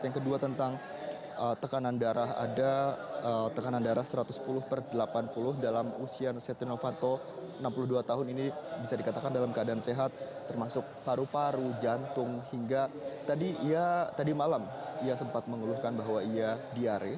yang kedua tentang tekanan darah ada tekanan darah satu ratus sepuluh per delapan puluh dalam usia setia novanto enam puluh dua tahun ini bisa dikatakan dalam keadaan sehat termasuk paru paru jantung hingga tadi malam ia sempat mengeluhkan bahwa ia diare